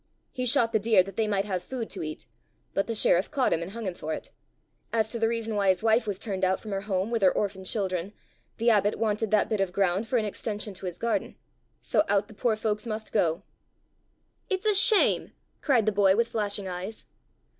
He shot the deer that they might have food to eat; but the sheriff caught him and hung him for it. As to the reason why his wife was turned out from her home with her orphan children, the abbot wanted that bit of ground for an extension to his garden, so out the poor folks must go." "It's a shame," cried the boy with flashing eyes.